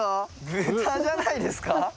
豚じゃないですか？